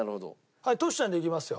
はいトシちゃんでいきますよ。